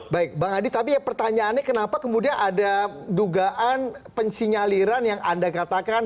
baik bang adi tapi pertanyaannya kenapa kemudian ada dugaan pensinyaliran yang anda katakan